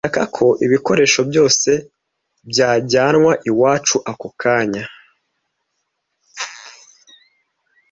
Ndashaka ko ibikoresho byose byajyanwa iwacu ako kanya.